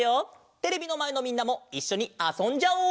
テレビのまえのみんなもいっしょにあそんじゃおう！